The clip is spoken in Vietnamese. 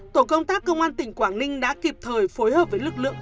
tổ công tác công an tỉnh quảng ninh đã kịp thời phối hợp với lực lượng